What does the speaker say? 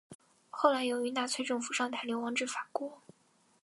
后来由于纳粹政府上台流亡至法国。